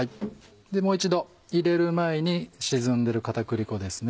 もう一度入れる前に沈んでる片栗粉ですね